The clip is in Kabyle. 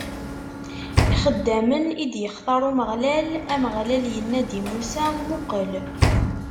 Ixeddamen i d-ixtaṛ Umeɣlal Ameɣlal inna-d i Musa: Muqel!